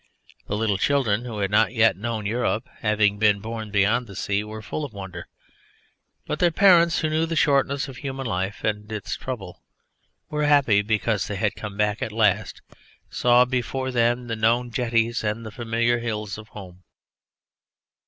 The little children who had not yet known Europe, having been born beyond the sea, were full of wonder; but their parents, who knew the shortness of human life and its trouble, were happy because they had come back at last and saw before them the known jetties and the familiar hills of home.